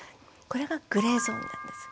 これがグレーゾーンなんです。